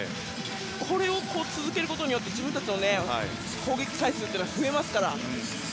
これを続けることで自分たちの攻撃回数が増えますから。